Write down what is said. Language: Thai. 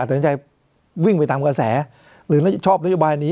อาจจะนึกจัยวิ่งไปตามกระแสหรือถ้าชอบนักยุบายนี้